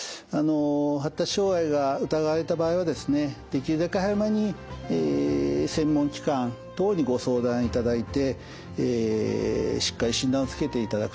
発達障害が疑われた場合はですねできるだけ早めに専門機関等にご相談いただいてしっかり診断をつけていただくと。